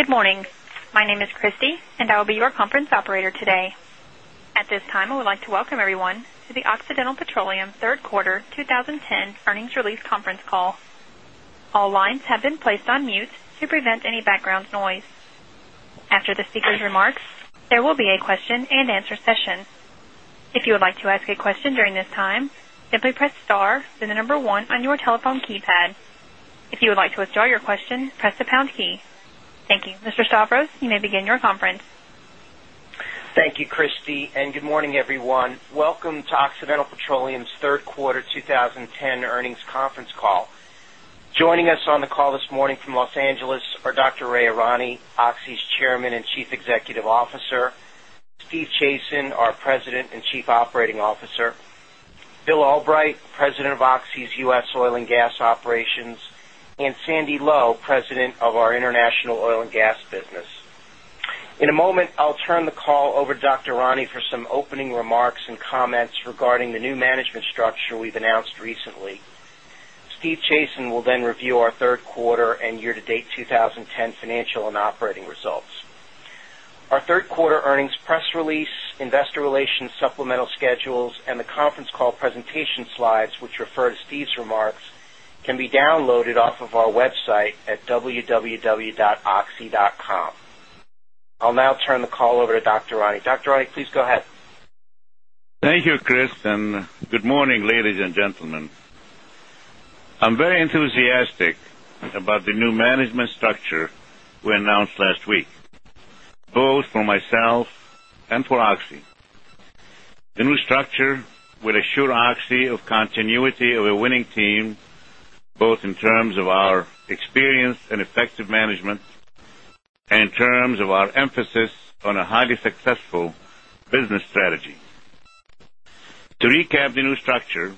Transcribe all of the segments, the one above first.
Good morning. My name is Christie, and I will be your conference operator today. At this time, I would like to welcome everyone to the Occidental Petroleum Third Quarter 2010 Earnings Release Conference Call. Remarks, there will be a question and answer session. Thank you. Mr. Stavros, you may begin your conference. Thank you, Christy, and good morning, everyone. Welcome to Occidental Petroleum's 3rd quarter 20 10 earnings conference call. Joining us on the call this morning from Los Angeles are Doctor. Ray Irani, Oxy's Chairman and Chief Executive Officer Steve Chasen, our President and Chief Operating Officer Business. In a moment, I'll turn the call over to Doctor. Gas Business. In a moment, I'll turn the call over to Doctor. Ronny for some opening remarks and comments regarding the new management structure we've announced recently. Steve Chasen will then review our Q3 and year to date 20 10 financial and operating results. Our Q3 earnings press release, Investor Relations supplemental schedules and the conference call presentation slides, which refer to Steve's remarks, can be downloaded off of our website at www.oxy.com. I'll now turn the call over to about the new management structure we announced last week, both for myself and for Oxy. The new structure would assure Oxy of continuity of a winning team, both in terms of our experience and effective management and in terms of our emphasis on a highly successful business strategy. To recap the new structure,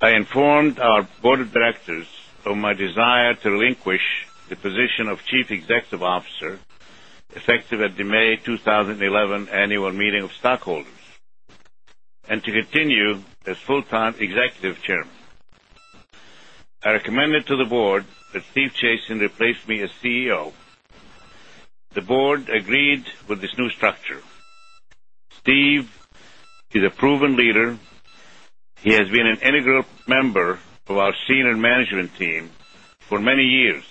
I informed our Board of Directors of my desire to relinquish the position of Chief Executive Officer effective at the May 2011 Annual Meeting of Stockholders and to continue as full time Executive Chairman. I recommended to the Board that Steve Chasen replace me as CEO. The Board agreed with this new structure. Steve is a proven leader. He has been an integral member of our senior management team for many years.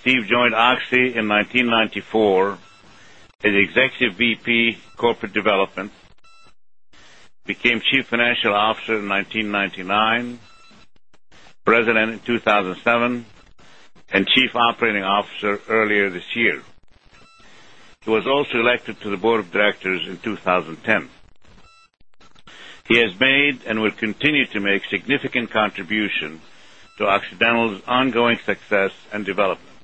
Steve joined OXY in 1994 as Executive VP, Corporate Development, became Chief Financial Officer in 1999, President in 2007 and Chief Operating Officer earlier this year. He was also elected to the Board of Directors in 2010. He has made and will continue to make significant contributions to Occidental's ongoing success and development.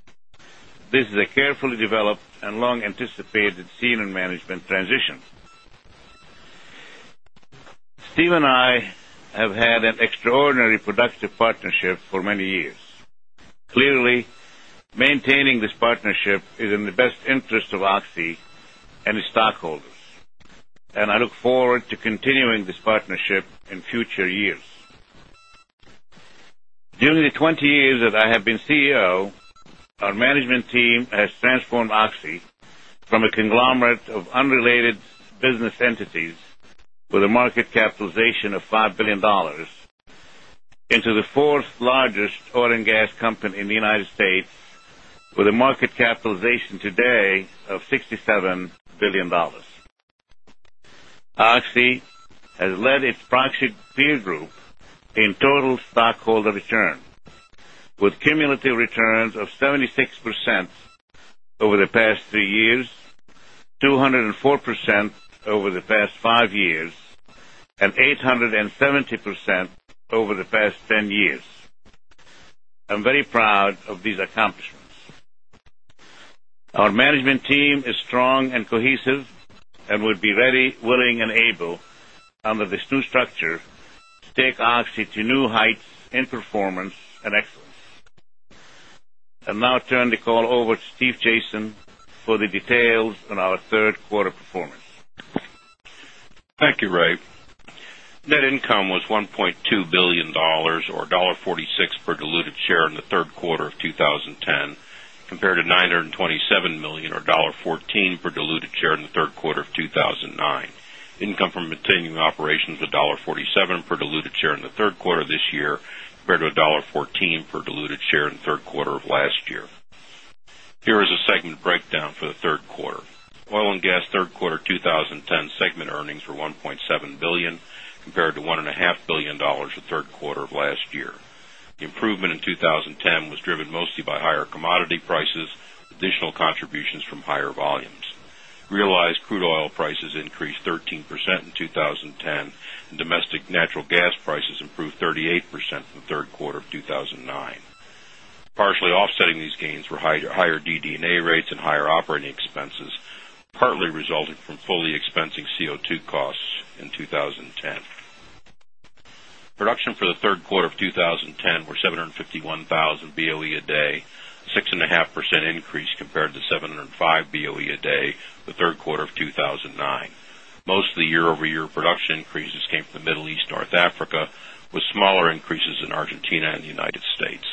This is a carefully developed and long anticipated senior management transition. Steve and I have had an extraordinary productive maintaining this partnership is in the best interest of OXY and its stockholders, and I look forward to continuing this partnership in future years. During the 20 years that I have been CEO, our management team has transformed Oxy from a conglomerate of unrelated business entities with a market capitalization of $5,000,000,000 into the 4th largest oil and gas company in the United States with a market capitalization today of $67,000,000,000 Oxy has led its proxy peer group in total stockholder return with cumulative returns of 76% over the past 3 years, 2 0 4% over the past 5 years and 8 70% over the past 10 years. I'm very proud of these accomplishments. Our management team is strong and cohesive and would be ready, willing and able under this new structure to take Oxy to new heights in performance and excellence. I'll now turn the call over to Steve Jayson for the details on our 3rd quarter performance. Thank you, Ray. Net income was 1 point $1,000,000,000 or $1.46 per diluted share in the Q3 of 2010 compared to 927,000,000 dollars or $1.14 per diluted share in the Q3 of 2,009. Income from continuing operations was $1.47 per diluted share in the Q3 of this year compared to $1.14 per diluted share in Q3 of last year. Here is a segment breakdown for the Q3. Oil and Gas 3rd quarter ten segment earnings were $1,700,000,000 compared to $1,500,000,000 for Q3 of last year. The improvement in 20 10 was driven mostly by higher commodity prices, additional contributions from higher volumes. Realized crude oil prices increased 13% in 20.10 and domestic natural gas prices improved 38% in the Q3 of 2,009. Partially offsetting these gains were higher DD and 2,009. Partially offsetting these gains were higher DD and A rates and higher operating expenses, partly resulting from fully expensing CO2 costs in 2010. Production for the Q3 of 2010 were 751,000 BOE a day, 6 5% increase compared to 705 BOE a day in the Q3 of 2009. Most of the year over year production increases came from the Middle East, North Africa with smaller increases in Argentina and the United States.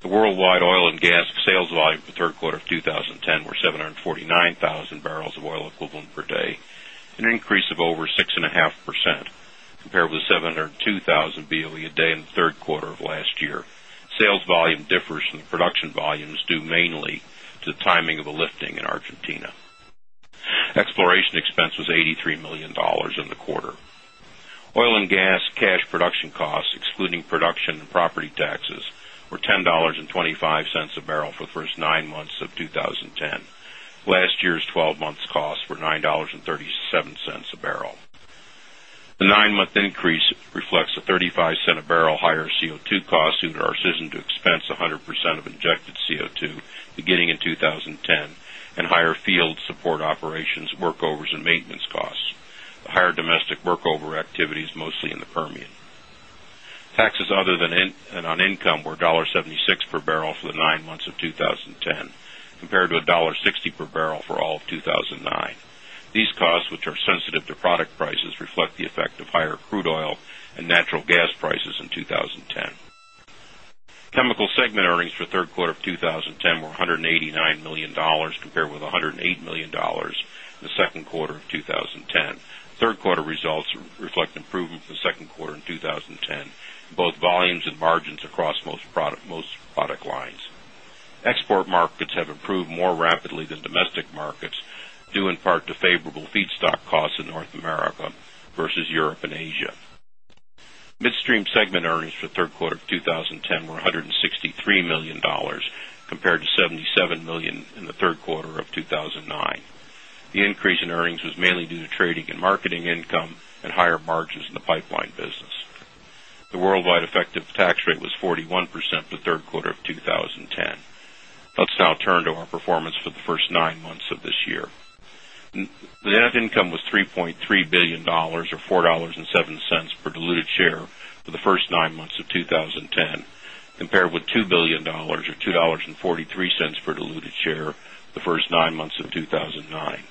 The worldwide oil and gas sales volume for Q3 of 2010 were 740 9,000 barrels of oil equivalent per day, an increase of over 6.5% compared with 702,000 BOE a day in the Q3 of last year. Sales volume differs from the production volumes due mainly to the timing of a lifting in Argentina. Exploration expense was $83,000,000 in the quarter. Oil and gas cash production costs excluding production and property taxes were $10.25 a barrel for 1st 9 months of 2010. Last year's 12 months costs were $9.37 a barrel. The 9 month increase reflects a $0.35 a barrel higher CO2 cost due to our decision to expense 100 percent of injected CO2 beginning in 20 10 and higher field support operations, workovers and maintenance costs. The higher domestic workover activities mostly in the Permian. Taxes other than and on income were $1.76 per barrel for the 9 months of 2010 compared to $1.60 per barrel for all of 2,000 and These costs which are sensitive to product prices reflect the effect of higher crude oil and natural gas prices in 2010. Chemical segment earnings for Q3 of 2010 were $189,000,000 compared with $108,000,000 in the Q2 of 2010. 3rd quarter results reflect improvement for the Q2 in 2010, both volumes and margins across most product lines. Export markets have improved more rapidly than domestic markets due in part to favorable feedstock costs in North America versus Europe and Asia. Midstream segment earnings for Q3 of 2010 were $163,000,000 compared to $77,000,000 in the Q3 of 2,009. The increase in earnings was mainly due to trading 2010. Let's now turn to our performance for the 1st 9 months of this year. The net income was $3,300,000,000 or $4.07 per diluted share for the first 9 months of 2010 compared with $2,000,000,000 or $2.43 per diluted share for the 1st 9 months of 2,009.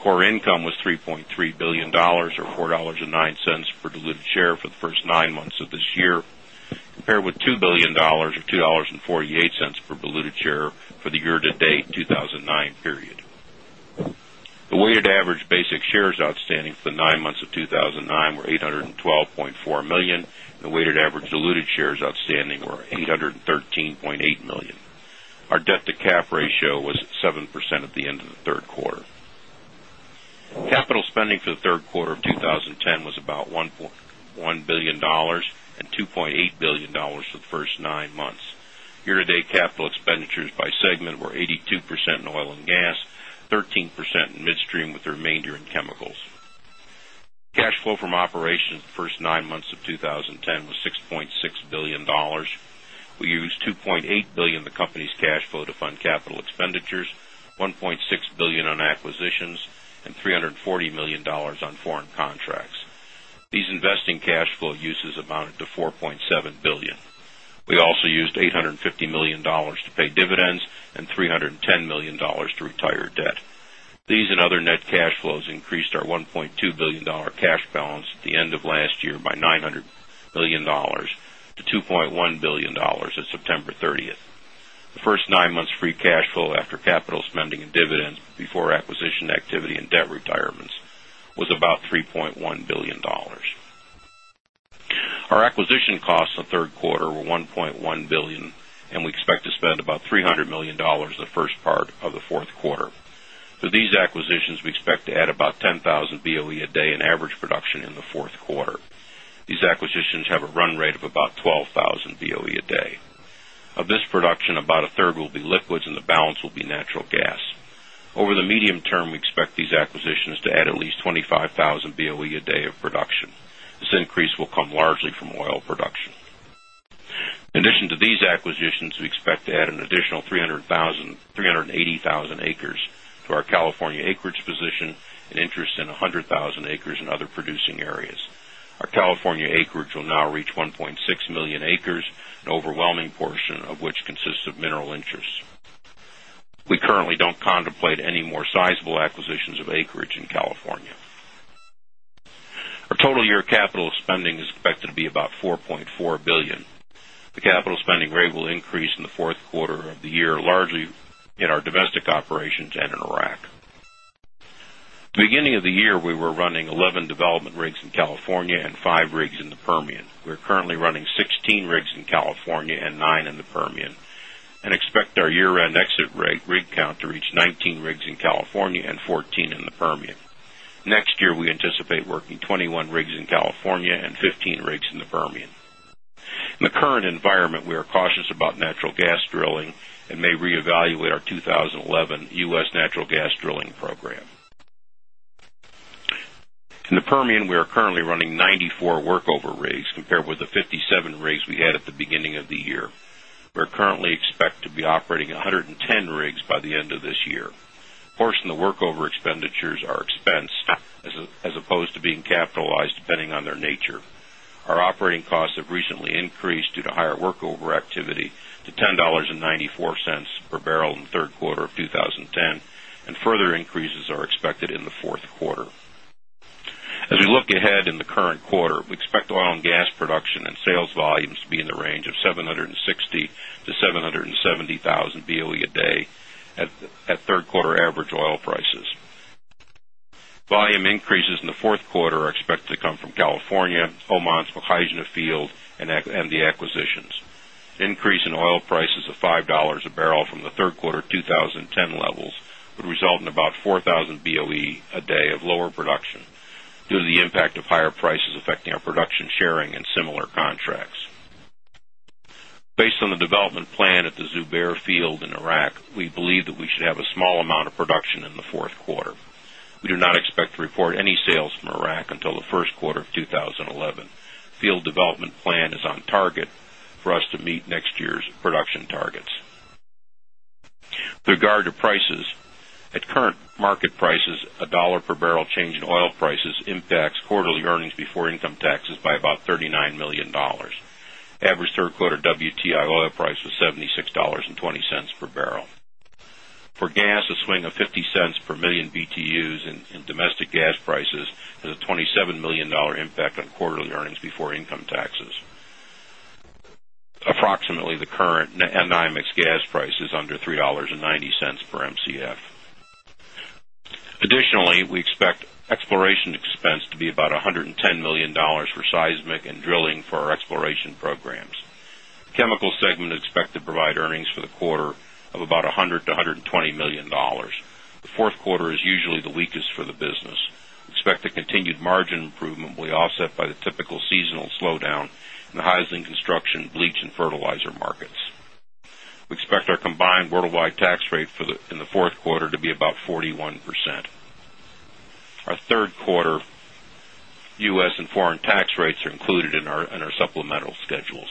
Core income was $3,300,000,000 or 4 point $1,000,000,000 or $2.48 per diluted share for the year to date 2,009 period. The weighted average basic shares outstanding for the 9 months of 2009 were 812,400,000 and the weighted average diluted shares outstanding were 813,800,000. Our debt to cap ratio was 7% at the end of the 3rd quarter. Capital spending for the Q3 of 2010 was about 1 point $1,000,000,000 $2,800,000,000 for the 1st 9 months. Year to date capital expenditures by segment were 82% in oil and gas, 13% in midstream with the remainder in chemicals. Cash flow from operations in the 1st 9 months of 2010 was $6,600,000,000 We used $2,800,000,000 the company's cash flow to fund capital expenditures, $1,600,000,000 on acquisitions and $340,000,000 on foreign contracts. These investing cash flow uses amounted to 4 point $7,000,000,000 We also used $850,000,000 to pay dividends and $310,000,000 to retire debt. These and other net cash flows increased our $1,200,000,000 cash balance at the end of last year by $900,000,000 to 2.1 $1,000,000,000 at September 30. The 1st 9 months free cash flow after capital spending and dividends before acquisition activity and debt retirements was about $3,100,000,000 Our acquisition costs in the 3rd quarter were 1.1 $1,000,000,000 and we expect to spend about $300,000,000 in the 1st part of the 4th quarter. For these acquisitions, we expect to add about 10,000 BOE a day in average production in the Q4. These acquisitions have a run rate of about 12,000 BOE a day. Of this production, about a third will be liquids and balance will be natural gas. Over the medium term, we expect these acquisitions to add at least 25,000 BOE a day of production. This increase will come largely from oil production. In addition to these acquisitions, we expect to add an additional 300,000 380,000 acres to our California acreage position and interest in 100,000 acres in other producing areas. Our California acreage will now reach 1,600,000 acres, an overwhelming portion of which consists of mineral interests. We currently don't contemplate any more sizable acquisitions of acreage in California. Our total year capital spending is expected to be about $4,400,000,000 The capital spending rate will increase in the Q4 of the year largely in our domestic operations and in Iraq. Beginning of the year, we were running 11 development rigs in California and 5 rigs in the Permian. We're currently running 16 rigs in California and 9 in the Permian and expect our year end exit rig count to reach 19 rigs in California and 14 in the Permian. Next year, we anticipate working 21 rigs in California and 15 rigs in the Permian. In the current environment, we are cautious about natural gas drilling and may reevaluate our 20 11 U. S. Natural gas drilling program. In the Permian, we are currently running 94 workover rigs compared with the 50 7 rigs we had at the beginning of the year. We currently expect to be operating 110 rigs by the end of this year. Due to higher workover activity to $10.94 per barrel in the Q3 of 2010 and further increases are expected range of 760,000 Boe to 770,000 Boe a day at 3rd quarter average oil prices. Volume increases in the 4th quarter are expected to come from California, Oman's Magna field and the acquisitions. Increase in oil prices of $5 a barrel from the Q3 of 2010 levels would result in about 4,000 BOE a day of lower production due to the impact of higher prices affecting our production sharing and similar contracts. Based on the development plan at the Zubair field in Iraq, we believe that we should have a small amount of production in the Q4. We do not expect to report any sales from Iraq until the Q1 of 2011. Field development plan is on target for us to meet next year's production targets. With regard to prices, at current market prices, a dollar per barrel change in oil prices quarterly earnings before income taxes by about $39,000,000 Average third quarter WTI oil price was 76.2 $0 per barrel. For gas, a swing of $0.50 per 1,000,000 BTUs in domestic gas prices has a $27,000,000 impact on quarterly earnings before income taxes. Approximately the current NYMEX gas price is under $3.90 per Mcf. Additionally, we expect exploration expense to be about $110,000,000 for seismic and drilling for our exploration programs. Chemical segment is expected to provide earnings for the quarter of about $100,000,000 to $120,000,000 The 4th quarter is usually the weakest for the business. We expect the continued margin improvement will be offset by the typical seasonal slowdown in the housing construction, bleach and fertilizer markets. Expect our combined worldwide tax rate for the in the 4th quarter to be about 41%. Our 3rd quarter U. S. And foreign tax rates are included in our supplemental schedules.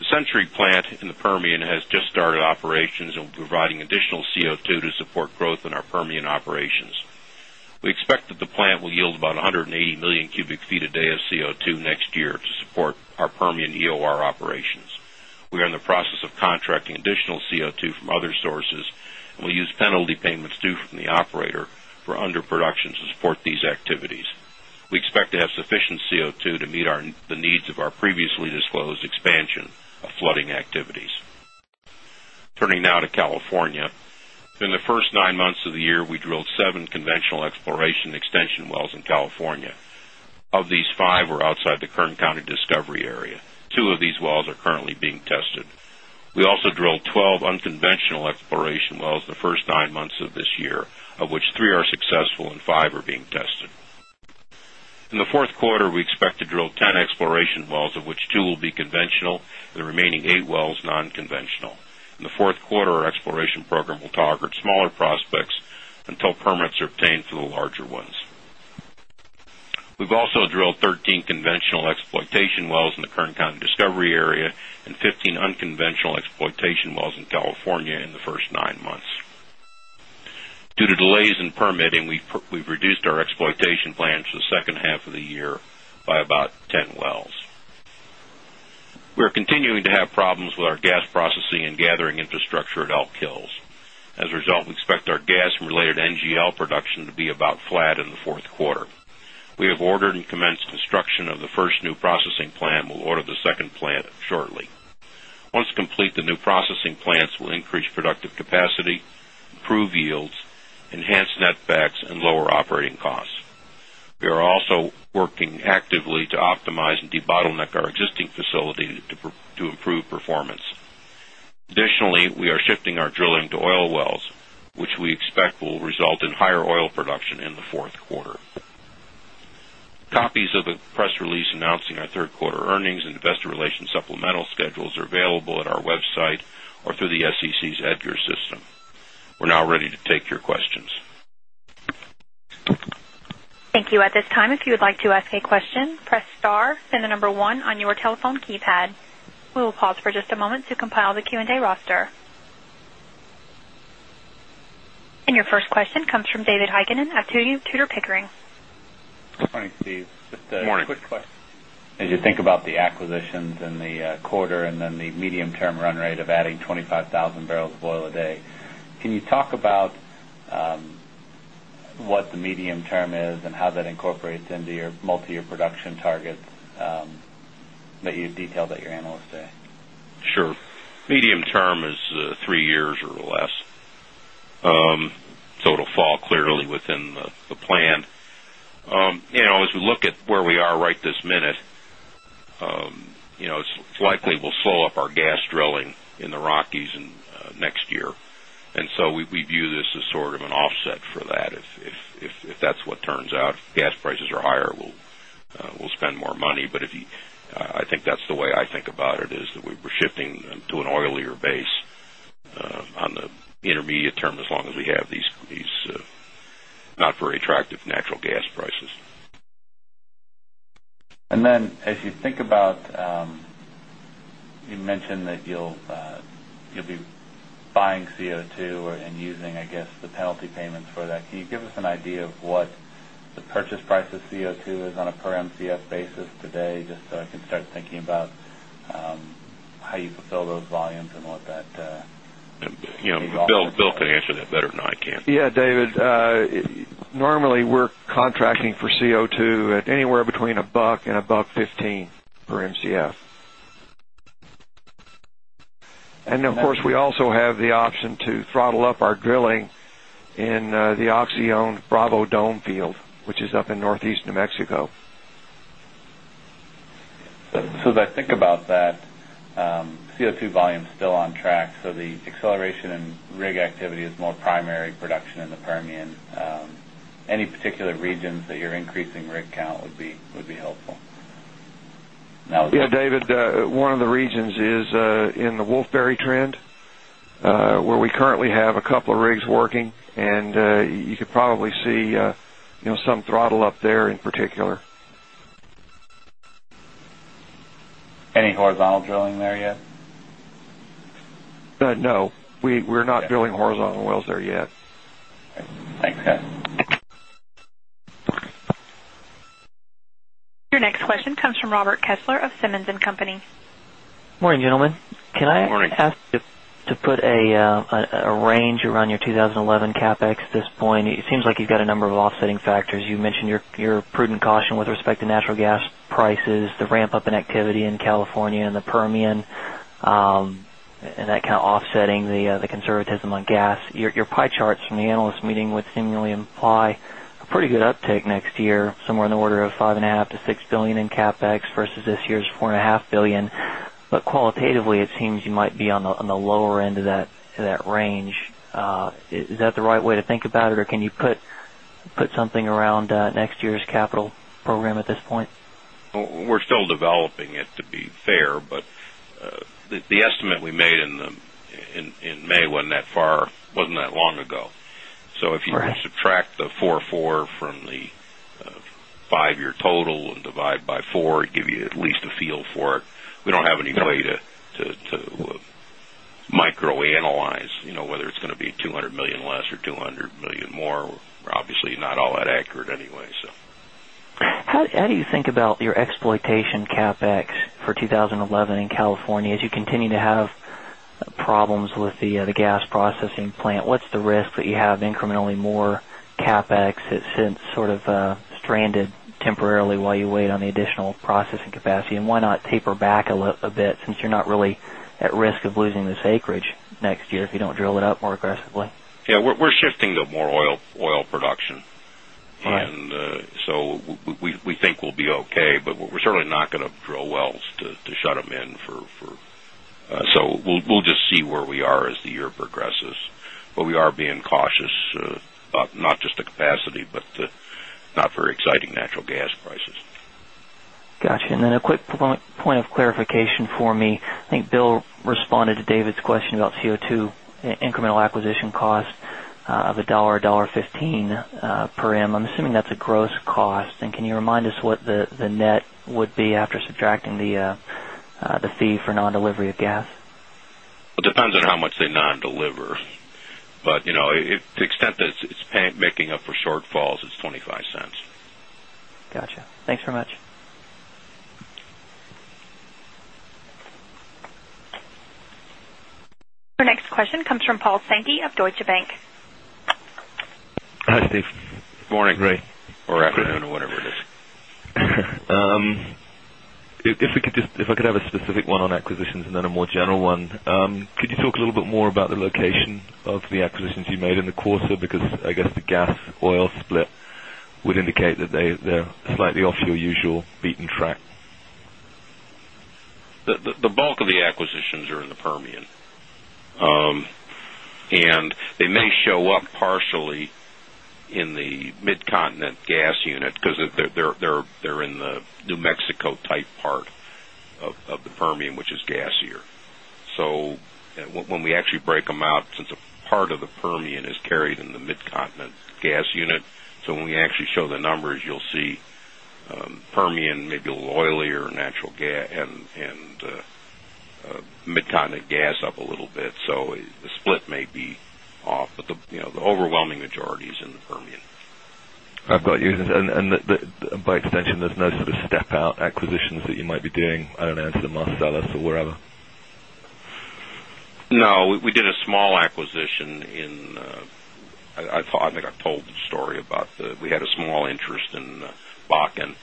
The Century plant in the Permian has just started operations and providing additional CO2 to support growth in our Permian operations. We expect that the plant will yield about 180,000,000 cubic feet a day of CO2 next year to support our Permian EOR operations. We are in the process of contracting additional CO2 from other sources and California. In the 1st 9 months of the year, we drilled 7 conventional exploration extension wells in California. Of these, 5 were outside the Kern County discovery area. 2 of these wells are currently being tested. We also drilled 12 unconventional exploration wells in the 1st 9 months of this year, of which 3 are successful and 5 are being tested. In the Q4, we expect to drill 10 exploration wells of which 2 be conventional, the remaining 8 wells non conventional. In the Q4, our exploration program will target smaller prospects until permits are obtained for the larger ones. We've also drilled 13 conventional exploitation wells in the Kern County discovery area and 15 unconventional exploitation wells in California in the 1st 9 months. Due to delays in permitting, we've reduced our exploitation plans for the second half of the year by about 10 wells. We are continuing to have problems with our gas processing and gathering infrastructure at Elk Hills. As a result, we expect our gas related NGL production to be about flat in the 4th quarter. We have ordered construction of the 1st new processing plant, we'll order the 2nd plant shortly. Once complete, the new processing plants will increase productive capacity, improve yields, enhance netbacks and lower operating costs. We are also working actively to optimize and debottleneck our existing facility to improve performance. Additionally, we are shifting our drilling to oil wells, which we expect will result in higher oil production in the 4th quarter. Copies of the press release announcing our 3rd quarter earnings Investor Relations supplemental schedules are available at our website or through the SEC's EDGAR system. We're now ready to take your questions. And your first question comes from David Heikkinen of Tudor, Pickering. Good morning, Steve. Good morning. Just a quick question. As you think about the acquisitions in the quarter and then the medium term run rate of adding Medium term is 3 years or less. So it will fall clearly within the plan. As we look at where we are right this minute, it's likely we'll slow up our gas drilling in the Rockies next year. And so we view this as sort of an offset for that. If that's what turns out, gas prices are higher, we'll spend more money. But I think that's the way I think about it is that we're shifting to an oilier base on the intermediate term as long as we have these not very attractive natural gas prices. And then as you think about you mentioned that you'll be buying CO2 and using I guess the penalty payments for that. Can you give us an idea of what the purchase price of CO2 is on a per Mcf basis today just so I can start thinking about how you fulfill those volumes And of course, we also have the option to throttle up our drilling in the Oxy owned Bravo Dome field, which is up in Northeast New Mexico? So as I think about that, CO2 volume is still on track. So the acceleration in rig activity is more primary production in the Permian. Any particular regions that you're increasing rig count would be helpful. Yes, David, one of the regions is in the Wolfberry trend, where we currently have a couple of rigs working and you could probably see some throttle up there in particular. Any horizontal drilling there yet? No. Are not drilling horizontal wells there yet. Okay. Thanks, Ken. Your next question from Robert Kessler of Simmons and Company. Good morning, gentlemen. Can I ask you to put a range around your 2011 CapEx at this point? It seems like you've got a number of offsetting factors. You mentioned your prudent caution with respect to natural gas prices, the ramp up in activity in California and the Permian and that kind of offsetting the conservatism on gas. Your pie charts from the analyst meeting would seemingly imply a pretty good uptick next year somewhere in the order of $5,500,000,000 to $6,000,000,000 in CapEx versus this year's $4,500,000,000 But qualitatively it seems you might be on the lower end of that range. Is that the right way to think about it or can you put something around next year's capital program at this point? We're still developing it to be fair, but the estimate we made in May wasn't that far wasn't that long ago. So if you subtract the 4.4 from the 5 year total and divide by 4, it give you at least a feel for it. We don't have any way to micro analyze whether it's going to be $200,000,000 less or $200,000,000 more, obviously not all that accurate anyway. How do you think about your exploitation CapEx for 2011 in California as you continue to since sort of stranded temporarily while you wait on the additional processing capacity and why not taper back a little bit since you're not really at risk of losing this acreage next year if you don't drill it up more aggressively? Yes, we're shifting to more oil production. And so we think we'll be okay, but we're being cautious about not just the capacity, but not very exciting natural gas prices. Got you. And then a quick point of clarification for me. I think Bill responded to David's question about CO2 incremental acquisition cost of $1,000 $1.15 per annum. I'm assuming that's a gross cost. And can you remind us what the net would be after subtracting the fee for non delivery of gas? It depends on how much they non deliver. But to the extent that it's making up for shortfalls, it's $0.25 Got you. Thanks very much. Our next question comes from Paul Sankey of Deutsche Bank. Hi, Steve. Good morning, Greg. Or afternoon or whatever it is. If we could just if I could have a specific one on acquisitions and then a more general one. Could you talk a little bit more about the location of the acquisitions you made in the quarter because I guess the gas oil split would indicate that they're slightly off your usual beaten The bulk of the acquisitions are in the Permian. And they may show up partially in the Mid Continent gas unit because they're in the New Mexico oilier natural oilier natural gas and Mid Continent gas up a little bit. So the split may be off, but the overwhelming majority is in the Permian. I've got you. And by extension, there's no sort of step out acquisitions that you might be doing. I don't answer the Mar sellers or wherever. No, we did a small acquisition in I thought I think I've told the story about that. We had a small interest in Bakken,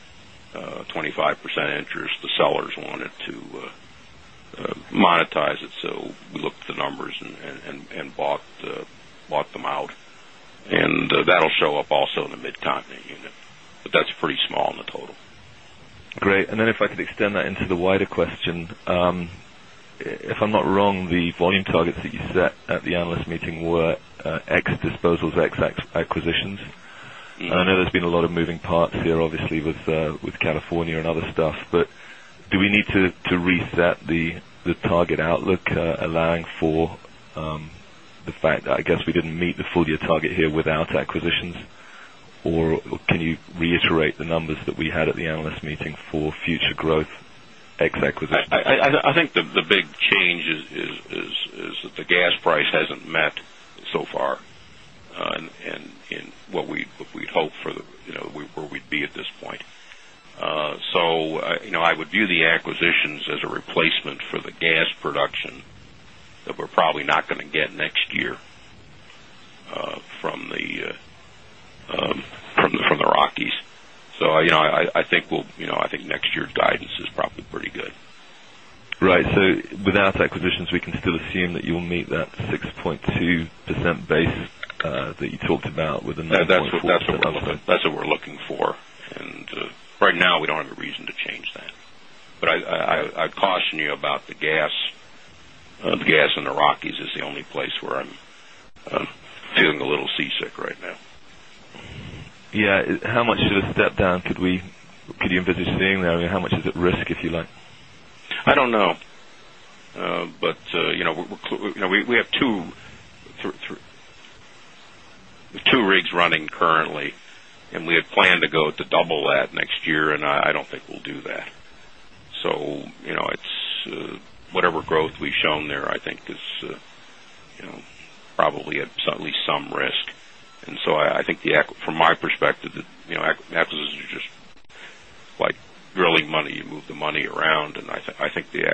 25 percent interest. The sellers wanted to monetize it. So we looked at the numbers and bought them out. And that will show up also in the Mid Continent unit. But that's pretty small in the total. Great. And then if I could extend that into the wider question, if I'm not wrong, the volume targets that you set at the analyst meeting were ex disposals, ex acquisitions. I know there's been a lot of moving parts here obviously with California and other stuff, but do we need to reset the target outlook allowing for the fact that I guess we didn't meet the full year target here without acquisitions or can you reiterate the numbers that we had at the Analyst Meeting for future growth ex acquisitions? I the big change is that the gas price hasn't met so far in what we'd hope for where we'd be at this point. So I would view the acquisitions as a replacement for the gas production that we're probably not going to get next year from the Rockies. So I think next year guidance is probably pretty good. Right. So without acquisitions, we can still assume that you'll meet that 6.2% base acquisitions, we can still assume that you'll meet that 6.2% base that you talked about with the That's what we're looking for. And right now, don't have a reason to change that. But I'd caution you about the gas. The gas in the Rockies is the only place where I'm feeling a little seasick right now. Yes. How much should a step down could we could you envision seeing there? I mean, how much is at risk if you like? I don't know. But we have 2 rigs running currently and we had planned to go to double that next year and I don't think we'll do that. So it's whatever growth we've shown there, I think is probably at least some risk. And so I think from my perspective, the acquisitions are just like drilling money, you move the money around and I think the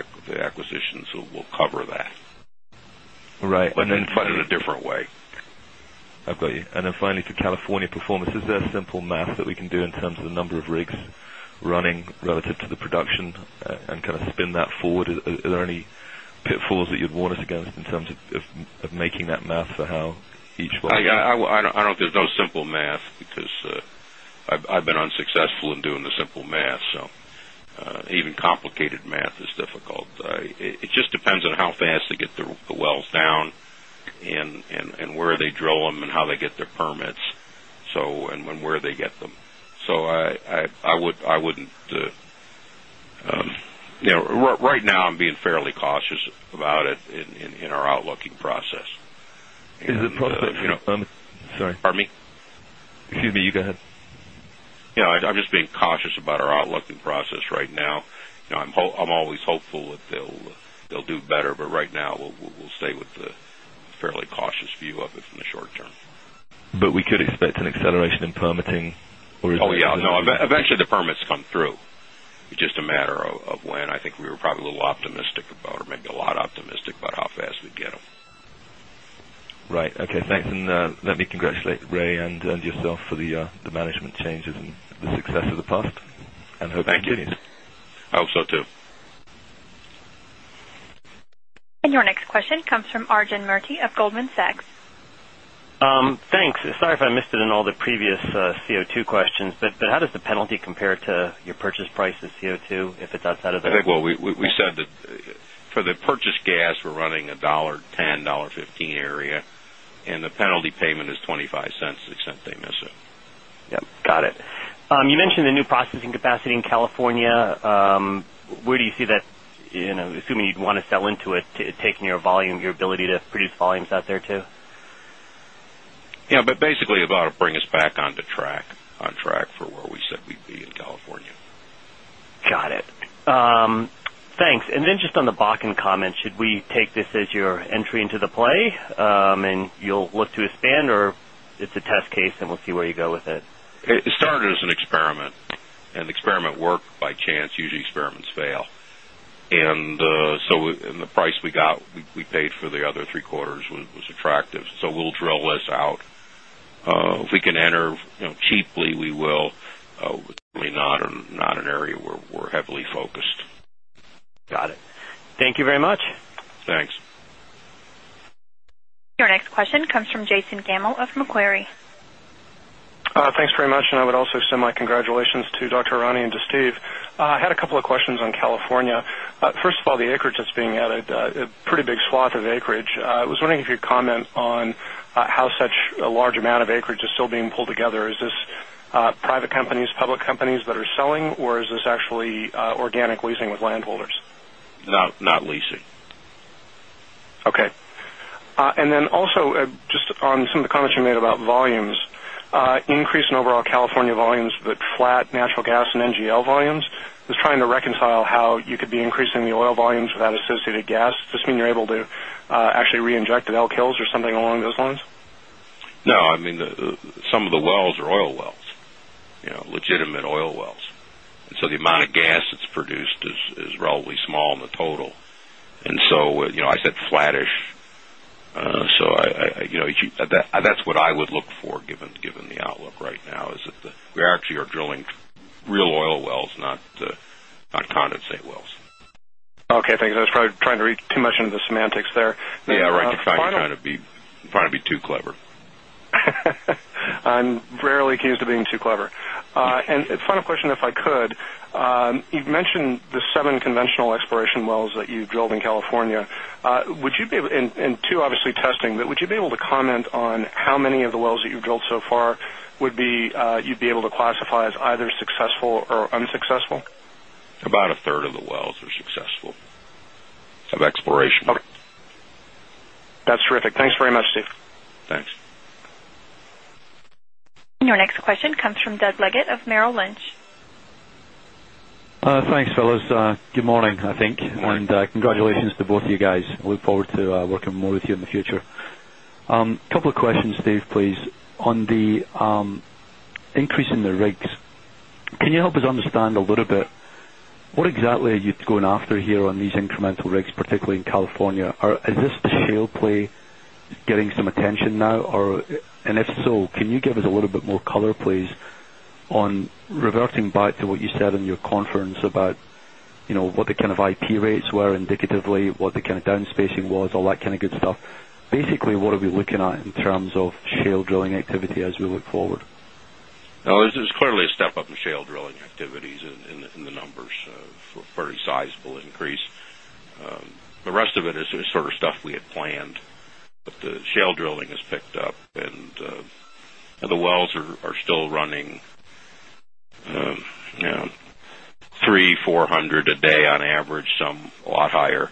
acquisitions will cover that. Right. But then find it a different way. I've got you. And then finally to California performance, is there simple math that we can do in terms of the number of rigs running relative to the was? I don't think there's no simple math because I've been unsuccessful in doing the simple math. So even complicated math is difficult. It just depends on how fast they get the wells down and where they drill them and how they get their permits. So and where they get them. So I wouldn't right now I'm being fairly cautious about it in our outlooking process. Is it possible sorry? Pardon me? Excuse me, you go ahead. I'm just being cautious about our outlooking process right now. I'm always hopeful that they'll do better, but right now we'll stay with the fairly cautious view of it in the short term. But we could expect an acceleration in permitting or is it Yes, no, eventually the permits come through. It's just a matter of when. I think we were a little optimistic about or maybe a lot optimistic about how fast we get them. Right. Okay. Thanks. And let me congratulate Ray and yourself for the management changes and the success of the past. Thank you. I hope so too. And your next And your next question comes from Arjun Murti of Goldman Sachs. Thanks. Sorry if I missed it in all the previous CO2 questions, but how does the penalty compare to your purchase price of CO2 if it's outside of the Well, we said that for the purchase gas, we're running $1.10 to $1.15 area and the assuming you'd want to sell assuming you'd want to sell into it taking your volume, your ability to produce volumes out there too? Yes, but basically about to bring us back on track for where we said we'd be in California. Got it. Thanks. And then just on the Bakken comment, should we take this as your entry into the play and you'll look to expand or it's a test case and we'll see where you go with it? It started as an experiment and experiment 3 quarters was attractive. So we'll drill this out. If we can enter cheaply, we will, certainly not an area where we're heavily focused. Got it. Thank you very much. Thanks. Your next question comes from Jason Gammel of Macquarie. Thanks very much. And I would also extend my congratulations to Doctor. Ronny and to Steve. I had a couple of questions on California. First of all, the acreage that's being added, a pretty big swath of acreage. I was wondering if you could comment on how such a large amount of acreage is still being pulled together. Is this private companies, public companies that are selling or is this actually organic leasing with landholders? Not leasing. Okay. And then also just on some of the comments you made about volumes, increasing overall California volumes, but flat natural gas and NGL volumes, I was trying to reconcile how you could be increasing the oil volumes without associated gas. Does this mean you're able to actually reinject at Elk Hills or something along those lines? No. I mean some of the wells are oil wells, legitimate oil wells. Said flattish. So that's what I would look for given the outlook right now is that we actually are drilling real oil wells, not condensate wells. Okay, thanks. I was probably trying to read too much into the semantics there. Yes, right. In fact, I'm trying to be too clever. I'm rarely accused of being too clever. And final question if I could. You've mentioned the 7 conventional exploration wells that you've drilled in California. Would you be able and 2, obviously testing, but would you be able to comment on how many of the wells that you've drilled so far would be you'd be able to classify as either successful or unsuccessful? About a third of the wells are successful of exploration. Your next question comes from Doug Leggate of Merrill Lynch. Thanks, fellas. Good morning, I think, and congratulations to both of you guys. I look forward to working more with you in the future. Couple of questions, Dave, please. On the increase in the rigs, can you help us understand a little bit what exactly are you going after here on these incremental rigs, particularly in California? Is this the shale play getting some attention now? And if so, can you give us a little bit more color please on reverting back to what you said in your conference about what the kind of IP rates were indicatively, what the kind of down spacing was, all that kind of good stuff. Basically, what are we looking at in terms of shale drilling activity as we look forward? No, there's clearly a step up in shale drilling activities in the numbers for a sizable increase. The rest of it is sort of stuff we had planned, but the shale drilling has picked up and the wells are still running 300, 400 a day on average, some a lot higher.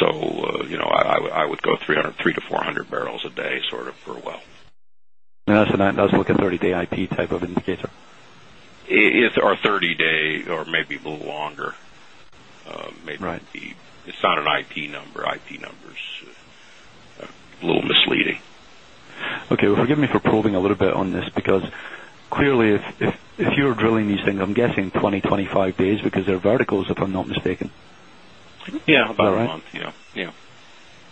So I would go 300 to 4 barrels a day sort of per well. And that's like a 30 day IP type of indicator? It's our 30 day or maybe a little longer. It's not an IP number. IP number is a little misleading. Okay. Forgive me for probing a little bit on this because clearly if you're drilling these things, I'm guessing 20, 25 days because they're verticals if I'm not mistaken? Yes, about a month, yes.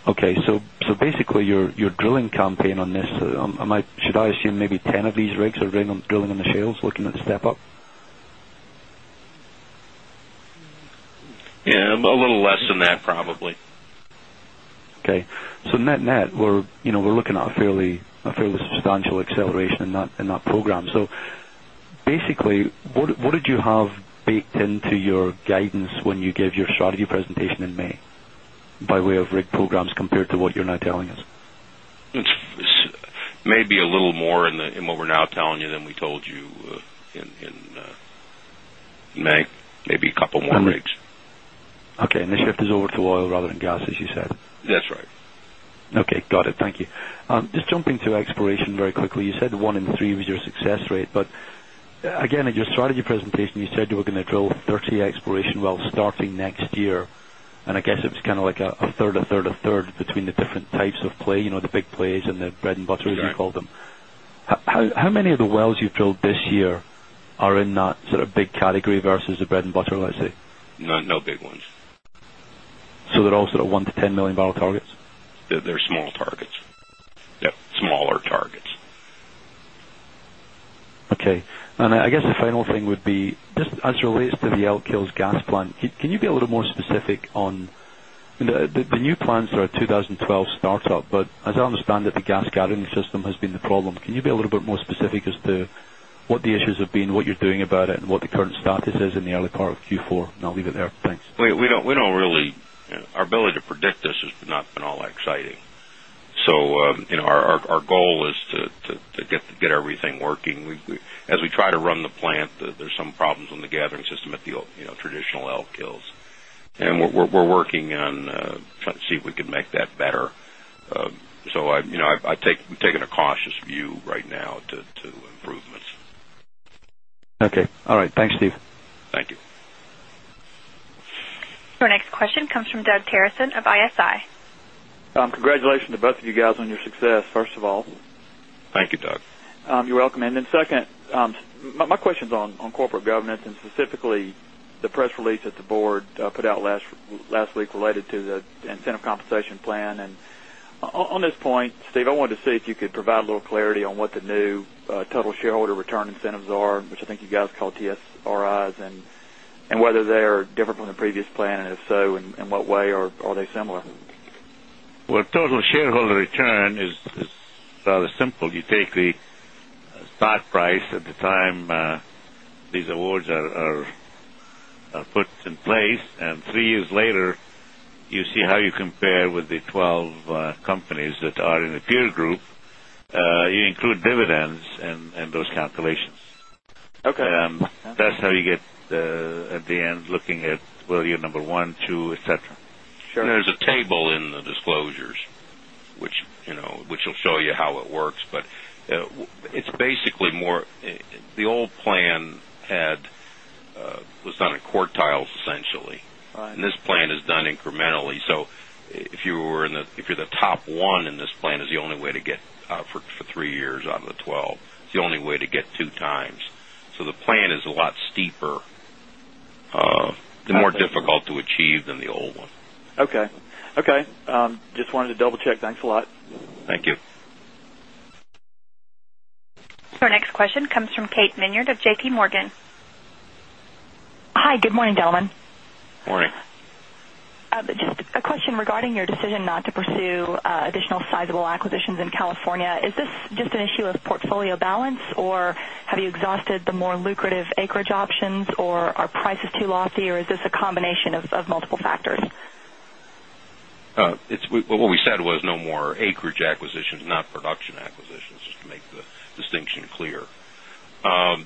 Okay. So, basically, your drilling campaign on this, should I assume maybe 10 of these rigs are drilling on the shales looking at the step up? Yes, a little less than that probably. Okay. So net net, we're looking at a fairly substantial acceleration in that program. So basically, what did you have baked into your guidance when you gave your strategy presentation in May by way of rig programs compared to what you're now telling us? Maybe a little more in what we're now telling you than we told you in May, maybe a couple more rigs. Okay. And the shift is over to oil rather than gas as you said? That's right. Okay, got it. Thank you. Just jumping to exploration very quickly, you said 1 in 3 was your success rate. But again, at your strategy presentation, you said you were going to drill 30 exploration wells starting next year. And I guess it kind of like a third, a third, a third between the different types of play, the big plays and the bread and butter as you call them. How many of the wells you've drilled this year are in that sort of big category versus the bread and butter, let's say? No big ones. So they're all sort of 1,000,000 to 10,000,000 barrel targets? They're small targets. Yes, smaller targets. And I guess the final thing would be just as it relates to the Elk Hills gas plant, can you be a little more specific on the new plants for a 2012 startup, but as I understand that the gas gathering system has been the problem, can you be a little bit more specific as to what the issues have been, what you're doing about it and what the current status is in the early part of Q4? And I'll leave it there. Thanks. We don't really our ability to predict this has not been all exciting. So our goal is to get everything working. As we try to run the plant, there's some problems on the gathering system at the traditional Elk Hills. And we're working on trying to see if we can make that better. So I've taken a cautious view right now to improvements. Okay. All right. Thanks, Steve. Thank you. Your next question comes from Doug Terreson of ISI. Congratulations to both of you guys on your success, first of all. Thank you, Doug. You're welcome. And then second, my question is on corporate could provide a little clarity on what the new total shareholder return incentives are, which I think you guys call TSRIs and whether they are different from the previous plan and if so in what way are they similar? Well, total shareholder return is rather simple. You take the stock price at the time these awards are put in place and 3 years later, you see how you compare with the 12 companies that are in the peer group, you include dividends in those calculations. Okay. That's how you get at the end looking at whether you're number 1, 2, etcetera. Sure. There's a table in the disclosures, which will show you how it works. But it's basically more the old plan had was done in quartiles essentially. And this plan is done incrementally. So if you were in the if you're the top one in this plan is the only way to get for 3 years out of the 12, it's the only way to get 2 times. So the plan is a lot steeper, and more difficult to achieve than the old one. Okay. Okay. Just wanted to double check. Thanks a lot. Thank you. Your next question comes from Kate Vineyard of JPMorgan. Hi, good morning, gentlemen. Good morning. Just a question regarding your decision not to pursue additional sizable acquisitions in California. Is this just an issue of portfolio balance or have you exhausted the more lucrative acreage options or are prices too lofty or is this a combination of multiple factors? What we said was no more acreage acquisitions not production acquisitions just to make the distinction clear. There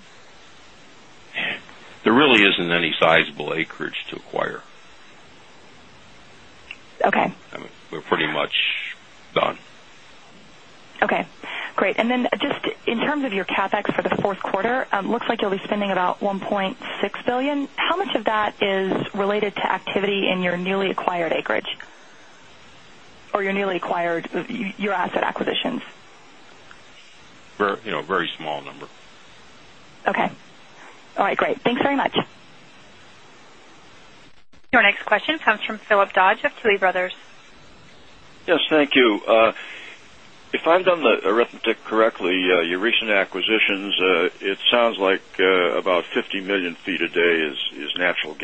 really isn't any sizable acreage to acquire. Okay. We're pretty much done. Okay, great. And then just in terms of your CapEx for the Q4, it looks like you'll be spending about $1,600,000,000 How much of that is related to activity in your newly acquired acreage or your newly acquired your asset acquisitions? Very small number. Your asset acquisitions? Very small number. Okay. All right, great. Thanks very much. Your next question comes from Philip Dodge of Tuohy Brothers. Yes, thank you. If I've done the arithmetic correctly, your recent acquisitions, natural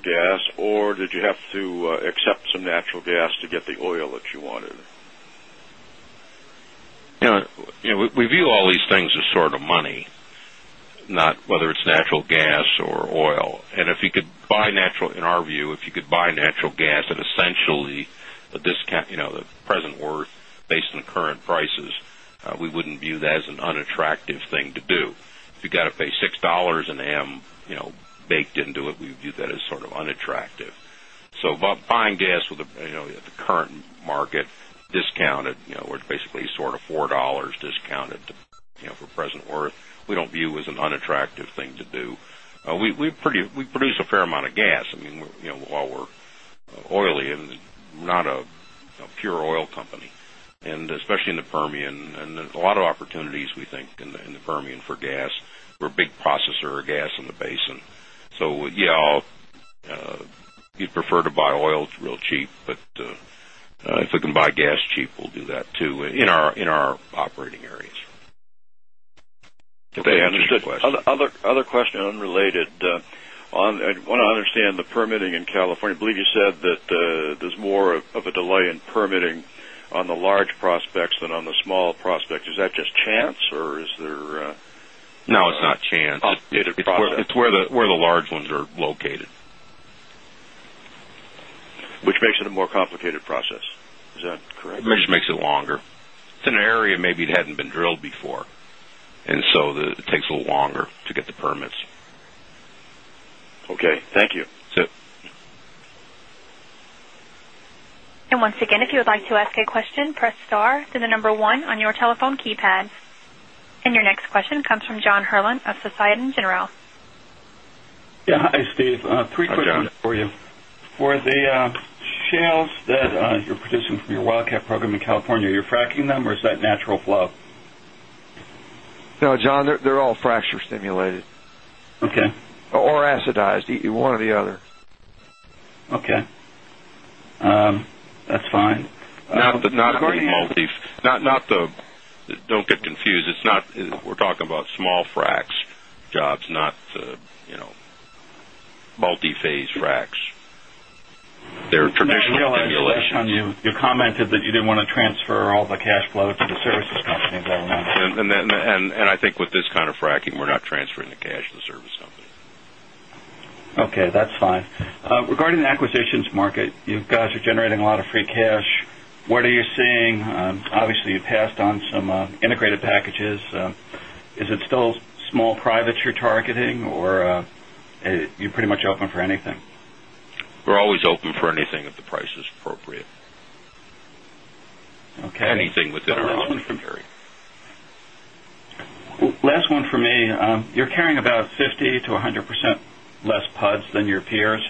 gas or did you have to accept some natural gas to get the oil that you wanted? We view all these things as sort of money, not whether it's natural gas or oil. And if you could buy natural in our view, if you could buy natural gas at essentially a discount the present worth based on current prices, we wouldn't view that as an unattractive thing to do. If you got to pay 6 dollars an AM baked into it, we view that as sort of unattractive. So buying gas with the current market discounted, we're basically sort of $4 discounted for present worth. We don't view as an unattractive thing to do. We produce a fair amount of gas. I mean, while we're oily and not a pure oil company and especially in the Permian and there's a lot of opportunities we think in the Permian for gas. We're a big processor of gas in the basin. So yes, you'd prefer to buy oil real cheap, but if we can buy gas cheap, we'll do that too in our operating areas. Other question unrelated, I want to understand the permitting in California. I believe you said that there's more of a delay in permitting on the large prospects than on the small prospects. Is that just chance or is there No, it's not chance. It's where the large ones are located. Which makes it a more complicated process, is that correct? Which makes it longer. It's in an area maybe it hadn't been drilled before. And so it takes a little longer to get the permits. Okay. Thank you. And your next question comes from John Herrlin of Societe Generale. Yes. Hi, Steve. Hi, John. Three questions for you. For the shales that you're producing from your Wildcat program in California, are you fracking them or is that natural flow? No, John. They're all fracture stimulated. Okay. Or acidized, one or the other. Okay. That's fine. Not the don't get confused. It's not we're talking about small fracs jobs, not multi phase fracs. They're traditional You commented that you didn't want to transfer all the cash flow to the services companies at all. And I think with this kind of fracking, we're not transferring the cash to the fracking, we're not transferring the cash to the service company. Okay. That's fine. Regarding the acquisitions market, you guys are generating a lot of free cash. What are you seeing? Obviously, you passed on some integrated packages. Is it still small that you're targeting or you're pretty much open for anything? We're always open for anything if the price is appropriate. Anything within our own scenario. Last one for me. You're carrying about 50% to 100 percent less PUDs than your peers.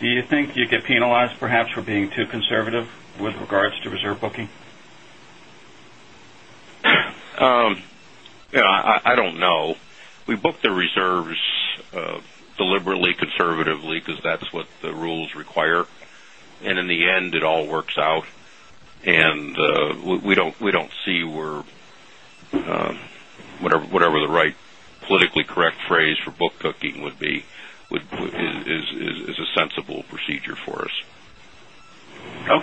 Do you think you get penalized perhaps for being too conservative with regards to reserve booking? I don't know. We booked the reserves deliberately conservatively because that's what the rules require. And in the end, it all works out. And we don't see where whatever the right politically correct phrase for book cooking would be is a sensible procedure for us.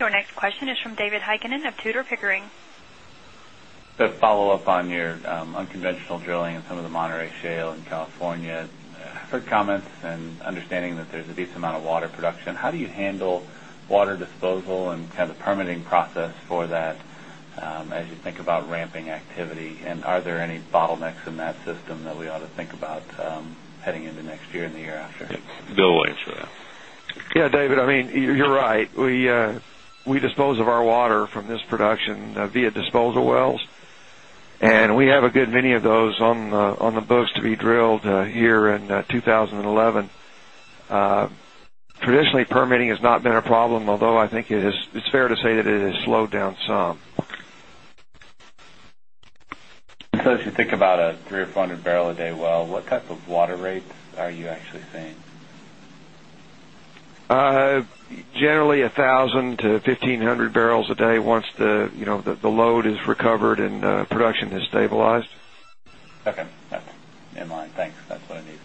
Your next question is from David Heikkinen of Tudor Pickering. Just a follow-up on your unconventional drilling in some of the Monterey Shale in California. I heard comments and understanding that there's a decent amount of water production. How do you handle water disposal and kind of the permitting process for that as you think about ramping activity? And are there any bottlenecks in that system that we ought to think about heading into next year and the year after? Bill will answer that. Yes, David, have a good many of those on the books to be drilled here in 2011. Traditionally permitting has not been a problem, although I think it's fair to say that it has slowed down some. So as you think about a 3 100 barrel a day well, what type of water rates are you actually seeing? Generally, 1,000 to 15 100 barrels a day once the load is recovered and production has stabilized. Okay. That's in Thanks. That's what I need.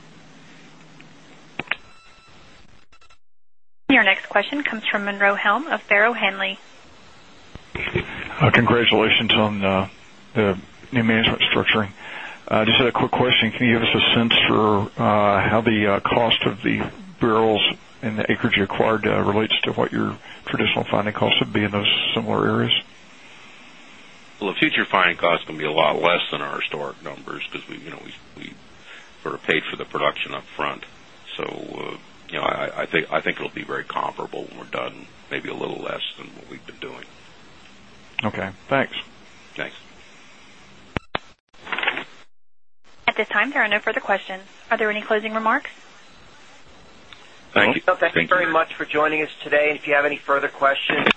Your next question comes from Monroe Helm of Barrow Hanley. Just had a quick question. Can you give us a sense for how the cost of the barrels and the acreage you acquired relates to what your traditional finding costs would be in those similar areas? Well, the future finding it'll be very comparable when we're done, maybe a little less than what we've been doing. Okay, thanks. Thanks. At this time, there are no further questions. Are there any closing remarks? Thank you. Well, thank you very much for joining us today. If you have any further questions,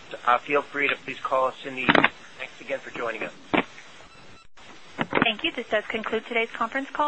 feel free to please call us in the evening. Thanks again for joining us. Thank you. This does conclude today's conference call.